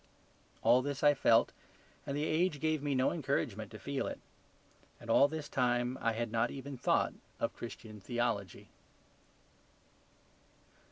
All this I felt and the age gave me no encouragement to feel it. And all this time I had not even thought of Christian theology.